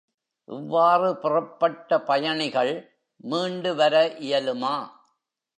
இவ்வாறு புறப்பட்ட பயணிகள் மீண்டு வர இயலுமா?